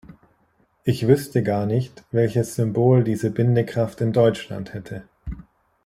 Ich wüßte gar nicht, welches Symbol diese Bindekraft in Deutschland hätte.